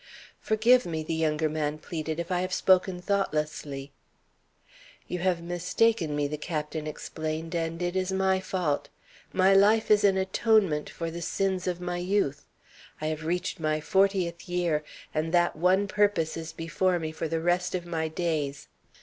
"Forgive me," the younger man pleaded, "if I have spoken thoughtlessly." "You have mistaken me," the Captain explained; "and it is my fault. My life is an atonement for the sins of my youth. I have reached my fortieth year and that one purpose is before me for the rest of my days.